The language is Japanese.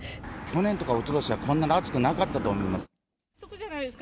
去年とかおととしはこんなに暑くなかったと思います。